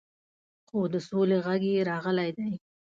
خو د سولې غږ یې راغلی دی.